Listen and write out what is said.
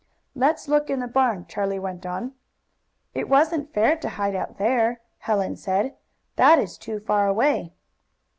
"Let's look in the barn," Charlie went on. "It wasn't fair to hide out there," Helen said. "That is too far away."